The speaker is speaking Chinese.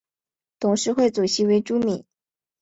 董事会主席为朱敏。